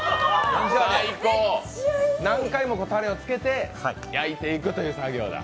何回もタレをつけて焼いていくという作業だ。